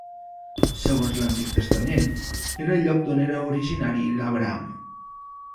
Segons l'Antic Testament, era el lloc d'on era originari Abraham.